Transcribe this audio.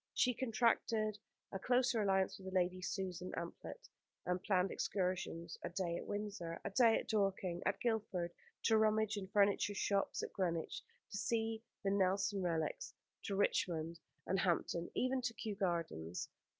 She contracted a closer alliance with Lady Susan Amphlett, and planned excursions: a day at Windsor, a day at Dorking, at Guildford, to rummage in furniture shops, at Greenwich to see the Nelson relics, to Richmond and Hampton, even to Kew Gardens.